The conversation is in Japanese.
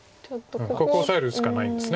ここオサえるしかないんです。